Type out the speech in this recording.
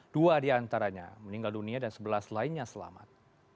dua di antaranya meninggal dunia dan sebelas lainnya selamat